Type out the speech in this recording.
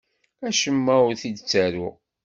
Acemma ur t-id-ttaruɣ.